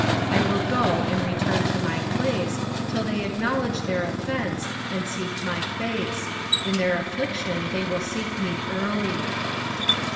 5:15 I will go and return to my place, till they acknowledge their offence, and seek my face: in their affliction they will seek me early.